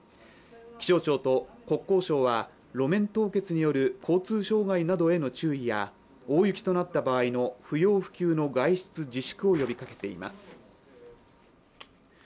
気象庁と国交省は路面凍結による交通障害などへの注意や大雪となった場合の不要不急の外出の自粛を呼びかけています。